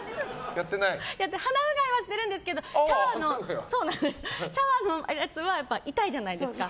鼻うがいはしてるんですけどシャワーのやつは痛いじゃないですか。